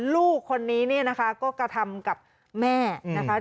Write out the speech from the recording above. ลูกคนนี้เนี่ยนะคะก็กระทำกับแม่นะคะ